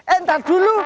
eh ntar dulu